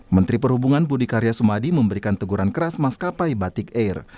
menteri perhubungan budi karya sumadi memberikan teguran keras maskapai batik air